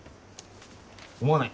思わない！